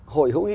hội hữu nghị